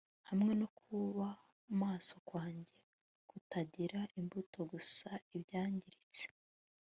Hamwe no kuba maso kwanjye kutagira imbuto gusana ibyangiritse